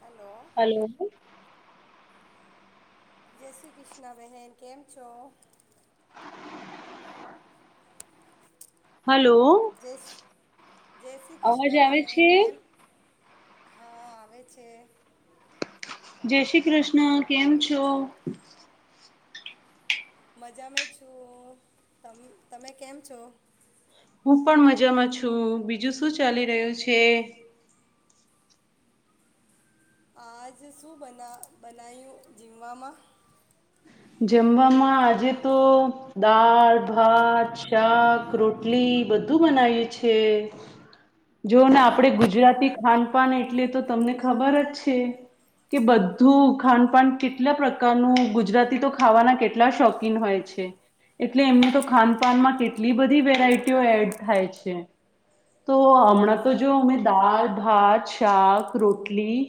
Hello hello જય શ્રી કૃષ્ણ બહેન કેમ છો, હલો જય જય શ્રી અવાજ કૃષ્ણ આવે છે, બહેન કેમ હા આવે છે, જય શ્રી કૃષ્ણ કેમ છો, મજા મે છું તમે કેમ છો હું પણ મજામાં છું બીજું શું ચાલી રહ્યું છે, આજ શું બ બનાયું જીમવામાં જમવામાં આજે તો દળ ભાત શાક રોટલી બધું બનાવીએ છે, જો ને આપડે ગુજરાતી ખાનપાન એટલે તો તમને ખબર જ છે, કે બધું ખાનપાન કેટલા પ્રકારનું ગુજરાતી ખાવાના કેટલા શોકીન હોય છે, એટલે એમની તો ખાનપાનમાં કેટલી બધી વેરાયટીઓ એડ થાય છે, તો હમણાં તો સાત જો અમે દા ભાત શાક રોટલી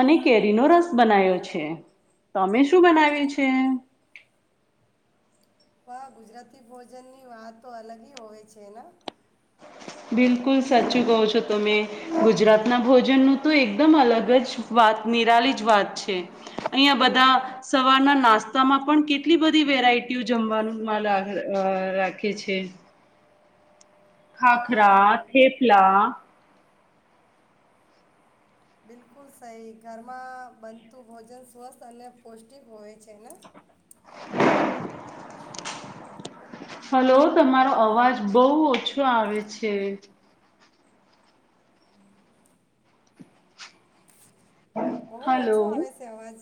અને કેરીનોો રસ બનાવ્યો છે, તમે શું બનાવી્યું છે? તે હા ગુજરાતી ભોજન ની વાત તો અલગ હ હોય છેને બિલકુલ સાચું કહો છો તમે ગુજરાતના ભોજનનું તો એકદમ અલગ જ વાત નિરાલી જ વાત છે, અહીંયા બધા સવારના નાસ્તામાં પણ કેટલી બધી વેરાયટીઓ જમવાનું રાખે છે. ખાખરા હા થેપલા બિલકુલ સહી ઘરમાં બનતું ભોજન સ્વસ્થ અને પૌષ્ટિક હોય છે, ના હલો તમારો અવાજ બહ ઓછો આવે છે, બહુ હલો ઓછો આવે છે, અવાજ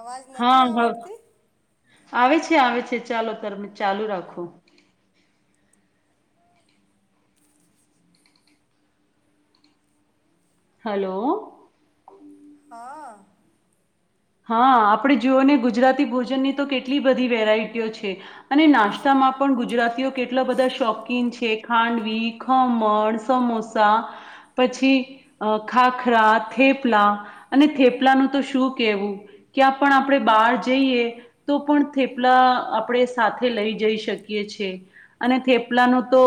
અવાજ હા નથી હ આવડતી આવે છે આવે છે ચાલો ત ચાલુ રાખો હલો હા હા આપણે જોુઓ ને ગુજરાતી ભોજનની તો કેટલી બધી વેરાયટીઓ છે, અને નાસ્તામાં પણ ગુજરાતીઓ કેટલા બધા શોખીન છે, ખાંડવી ખમણ સમોસા પછી ખાખરા થેપલા અને થેપલાનું તો શું કેવું ક્યાં પણ આપણે બહાર જઈએ તો પણ થેપલા આપણે સાથે લઈ જઈ શકીએ છે, અને થેપલાનું તો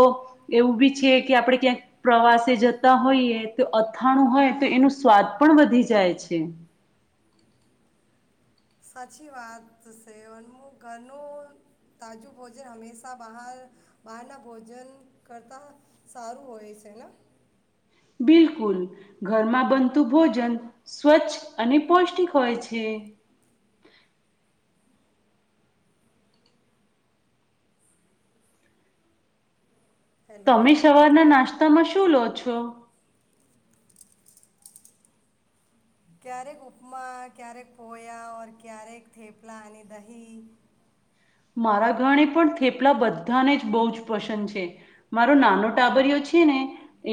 એવું બી છે કે આપણે ક્યાંક પ્રવાસે જતા હોઈએ તો અથાણું હોય તો એનું સ્વાદ પણ વધી જાય છે. સાચી વાત છે, અનમુ ઘરનું તાજું ભોજન હંમેશા બહાર બહારના ભોજન કરતા સારું હોય છે ને, બિલકુલ ઘરમાં બનતું ભોજન સ્વચ્છ અને પૌષ્ટિક હોય છે, હેલો તમે સવારના નાસ્તામાં શું શું લો છો ક્યારેક ઉપમા ક્યારેક પોયા ઓર ક્યારેક થેપલાની દહી મારા ઘરણે પણ થેપલા બધાને જ બહુ જ પસંદ છે, મારો નાનો ટાબરયો છે ને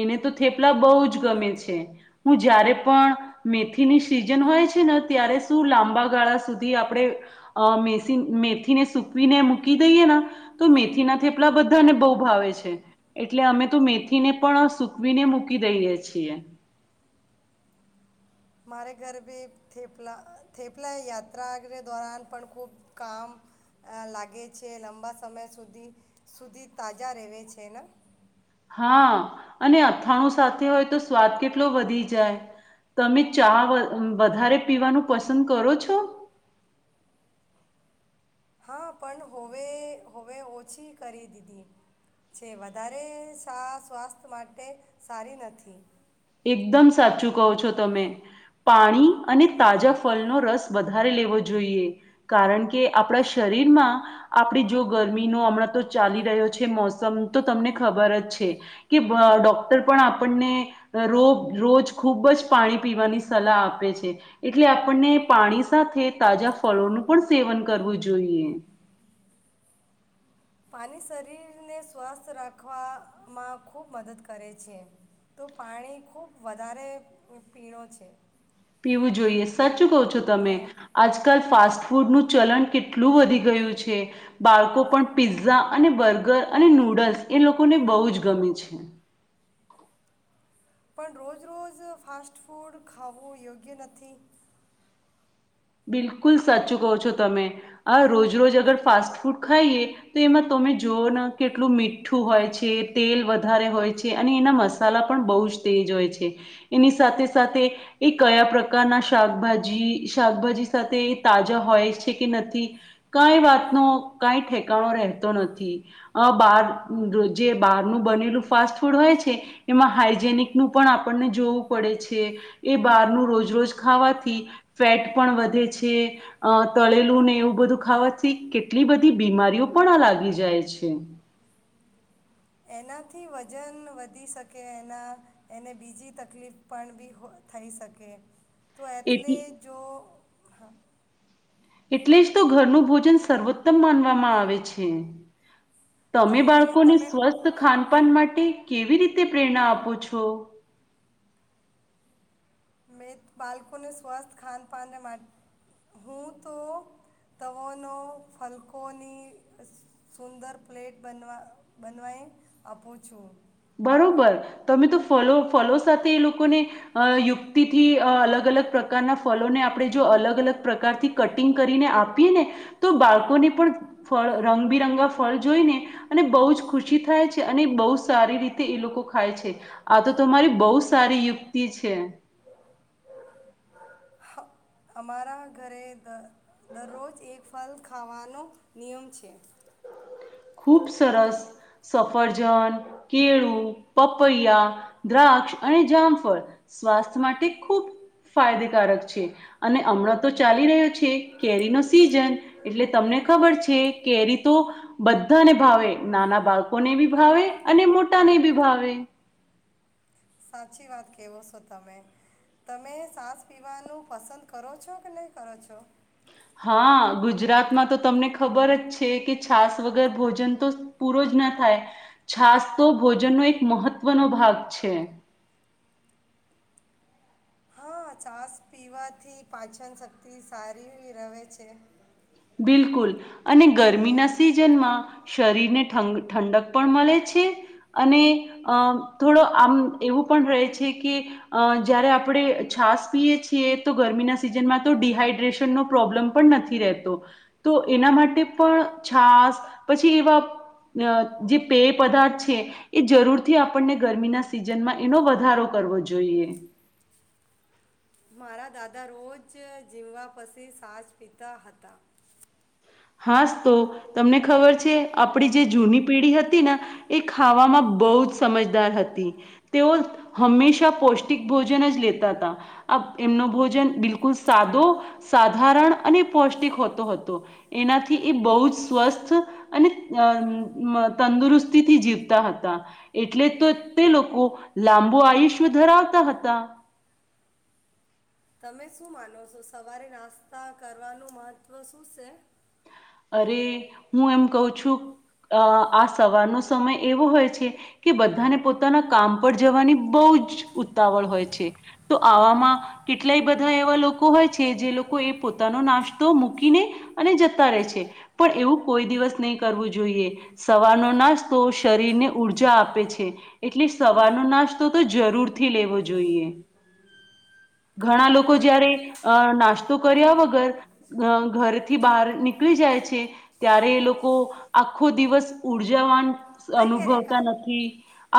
એને તો થેપલા બહુ જ ગમે છે, હું જય્યારે પણ મેથીની સીઝન હોય છે ને ત્યારે શું લાંબા ગાળા સુધી આપણે મેસી મેથીને સુ સુકવીને મૂકી દઈએ ને તો મેથી ના થેપલા બધાને બહુ ભાવે છે, એટલે અમે તો મેથીને પણ સકવીને મૂકી દઈએ છીએ, મારે ઘર ભી થેપલા થેપલા યાત્રા દોરન પણ ખૂબ કામ લાગે છે, લાંબા સમય સુધી સુધી તાજા રહે છે, ને હા અને અથાણું સાથે હોય તો સ્વાદ કેટલો વધી જાય, તમે ચા વધારે પીવાનું પસંદ કરો છો? હા પણ હોવે હોવે ઓછી કરી દીધી છે, વધારે શા સ્વાસ્થ્ય માટે સારી નથી એકદમ સાચું કહો છો તમે પાણી અને તાજા ફલનો રસ વધારે લેવો જોઈએ, કારણ કે આપણા શરીરમાં આપણી જો ગરમીનો હમણાં તો ચાલી રહ્યો છે, મોસમ તો તમને ખબર જ છે, કે ડોક્ટર પણ આપણને રો રોજ ખૂબ જ પાણી પીવાની સલાહ આપે છે, એટલે આપણને પાણી સાથે તાજા ફળોનું પણ સેવન કરવું જોઈએ. પાણી શરીરને સ્વસ્થ રાખવામાં ખૂબ મદદ કરે છે, તો પાણી ખૂબ વધારે પીણો છે. પીવું જોઈએ સચ ું કહ છો તમે હા આજકાલ ફાસ્ટ ફાસ્ટ ફૂડનું ચલન કેટલું વધી ગયું છે બાળકો પણ પીઝઝા અને બર્ગર અને નૂડલ્સ એ લોકોને બહુ જ ગમે છે. પણ રોજ રોજ ફાસ્ટ ફૂડ ખાવવું યોગ્ય નથી, બિલકુલ સાચું કહો છો તમે આ રોજ રોજ અગર ફાસ્ટ ફૂડ ખાઈએ તો એમાં તમે જોવ ને કેટલું મીઠું હોય છે, તેલ વધારે હોય છે અને એના મસાલા પણ બહુ જ તેજ હોય છે, એની સાથે સાથે એ કયા પ્રકારના શાકભાજી શાકભાજી સાથે એ તાજા હોય છે, કે નથી કઈ વાતનો કઈ ઠેકાણો રહેતો નથી આ બહાર જે બહારનું બનેલું ફાસ્ટ ફૂડ હોય છે, એમાં હાઈજેનિક નું પણ આપણને જોવું પડે છે, એ બહારનું રોજ રોજ ખાવાથી ફેટ પણ વધે છે, અ તળેલું ને એવું બધું ખાવાથી કેટલી બધી બીમારીઓ પણ આ લાગી જાય છે, એનાથી વજન વધી શકે એના એને બીજી તકલીફ પણ બી થઈ શકે તો એટ એટલે જો હમ્મ એટલે જ તો ઘરનું ભોજન સર્વોત્તમ માનવામાં આવે છે. તમે બાળકોને સ્વસ્થ ખાનપાન માટે માટે કેવી રીતે પ્રેરણા આપો છો, મેં બાળકોને સ્વસ્થ ખાનપાન માટે હું તો તવોનો ફલકોની સુંદર પ્લેટ બનવા બનવાય આપું છું, બરોબર તમે તો ફલો ફલો સાથે એ લોકોને અ યુક્તિથી અલગ અલગ પ્રકારના ફલોને આપણે જો અલગ અલગ પ્રકારથી કટિંગ કરીને આપીએ, ને તો બાળકોને પણ ફ રંગબિરંગા ફળ જોઈને અને બહુ જ ખુશી થાય છે, અને બહુ સારી રીતે એ લોકો ખાય છે, આ તો તમારી બહુ સારી યુક્તિ છે, હ- અમારા ઘરે દરરોજ એક ફલ ખાવાનો નિયમ છે. ખુબ સરસ સફરજન કેળું પપૈયા દ્રાક્ષ અને જામફળ સ્વાસ્થ્ય માટે ખૂબ ફાયદેકારક છે, અને હમણાં તો ચાલી રહ્યો છે, કેરી ન સીઝન એટલે તમને ખબર છે, કેરી તો બધાને ભાવે નાના બાળકોને બી ભાવે અને મોટા ને બી ભાવે સાચી વાત કવો છો તમે તમે સાસ પીવાનું પસંદ કરો છો કે નહીં કરો છો હા ગુજરાતમાં તો તમને ખબર જ છે, કે છાસ વગર ભોજન તો પૂરો જ ના થાય છાસ તો ભોજનનો એક મહત્વનો ભાગ છે, હા ચાસ પીવાથી પાચનશક્તિ સારી રહે છે, બિલકુલ અને ગરમીના સિઝનમાં શરીરને ઠંડક પણ મળે છે, અને થોડો આમ એવું પણ રહે છે, કે જ્યારે આપણે છાસ પીએ છીએ તો ગરમીના સિઝનમાં તો ડડીહાઈડ્રેશનનો પ્રોબ્લેમ પણ નથી રહેતો. તો એના માટે પણ છાસ પછી એવા જે પેય પદાર્થ છે, એ જરૂરથી આપણને ગરમીના સિઝનમાં એનો વધારો કરવો જોઈએ મારા દાદા રોજ ઝીમવા પસીી સાજ પીતા હતા. હા તો તમને ખબર છે, આપડી જે જૂની પેઢી હતી ને એ ખાવામાં બહુ જ સમજદાર હતી તેઓ હંમેશા પૌષ્ટિક ભોજન જ લેતા હતા, એમનો ભોજન બિલકુલ સાદો સાધારણ અને પૌષ્ટિક હોતો હતો. એનાથી એ બહુ જ સ્વસ્થ અને અ તંદુરસ્તીથી જીવતા હતા એટલે તો તે લોકો લાંબો આયુષ્ય ધરાવતા હતા તમે શું માનો છો સવારે નાસ્તા કરવાનું મહત્વ શું છે? અરે હું એમ કઉ છું આ સવારનો સમય એવો હોય છે કે બધાને પોતાના કામ પર જવાની બહુ જ ઉતાવળ હોય છે તો આવામાં કેટલાય બધા એવા લોકો હોય છે જે લોકો એ પોતાનો નાસ્તો મૂકીને અને જતા રહે છે પણ એવું કોઈ દિવસ નહી કરવું જોઈએ સવારનો નાશતો શરીરને ઊર્જા આપે છે એટલે સવારનો નાશતો જરૂર થી લેવો જોઈએ ઘણા લોકો જયારે અ નાસ્તો તો કર્યા વગર ઘરથી બહાર ની જાય છે ત્યારે એ લોકો આખો દિવસ ઉર્જાવાન કઈ કાર્ય અનુભવતા કા નથી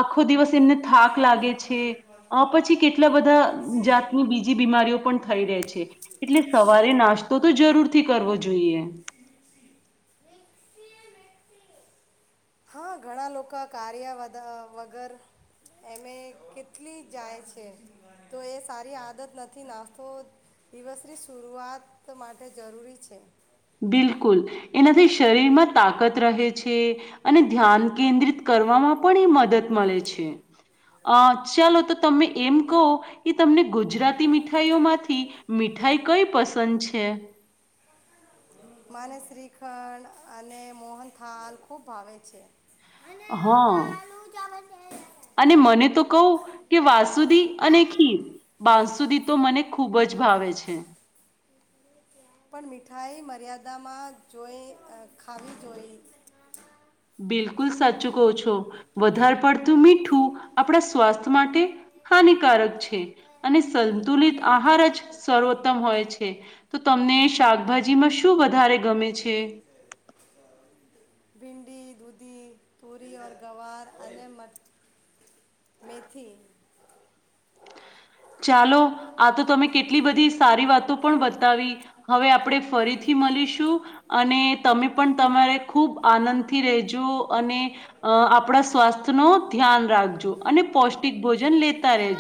આખો દિવસ એને થાક લાગે છે પછી અ કેટલા બધા જાતની બીજી બીમારીઓ પણ થઈ રહે છે એટલે સવારે નાસ્તો તો જરૂરથી કરવો જોઈએ હા ઘણાં લોકો કાર્યા વગર એમે કેટલી જાય છે તો એ સારી આદત નથી નાસ્તો દિવસની શરૂઆત માટે જરૂરી છે બિલકુલ એનાથી શરીરમાં તાકત રહે છે અને ધ્યાન કેન્દ્રિત કરવામાં પણ એ મદદ મળે છે આ ચાલો તો તમે એમ કહો કે તમને ગુજરાતી મીઠાઈઓમાંથી મીઠાઈ કઈ પસંદ છે માને શ્રીખંડ અને મોહન થાલ ખુબ ભાવે છે મને હા બાલું જમે છે અને મને તો કહું કે વાસુદી અને ખીર બાસુ સુધી તો મને ખૂબ જ ભાવે છે પણ મીઠાઈ મર્યાદામાં જોઈ ખાવી જોઈ બિલકુલ સાચું કહો છો વધારે પડતું મીઠું આપણા સ્વાસ્થ્ય માટે હાનિકારક છે અને સંતુલિત આહાર જ સર્વોત્તમ હોય છે તો તમને શાકભાજીમાં શું વધારે ગમે છે પી દૂધી તૂરી ઓર ગવાર અને મથ મેથી ચાલો આ તો તમે કેટલી બધી સારી વાતો પણ બતાવી હવે આપણેે ફરીથી મળીશું અને તમે પણ તમારે ખુબ આનંદથી રેજો અને આપણા સ્વાસ્થ્ય ન ધ્યાન રાખજો અને પૌષ્ટિક ભોજન લેતા રહેજો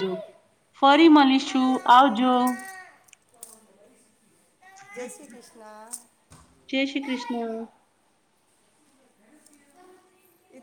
ફરી મળનીશું આવજો જય શ્રી કૃષ્ણ જય શ્રી કૃષ્ણ હા એ